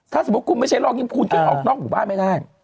ถ้าสมมุติคุณไม่ใช่โรคนี้คุณจึงออกนอกหมู่บ้านไม่ได้